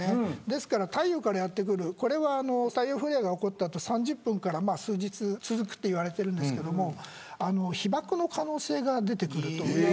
ですから太陽からやってくるこれは太陽フレアが起こった後３０分から数日続くといわれていますが被爆の可能性が出てくる。